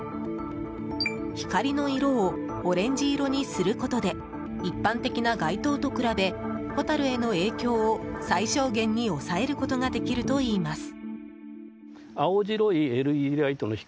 光の色をオレンジ色にすることで一般的な街灯と比べホタルへの影響を最小限に抑えることができるといいます。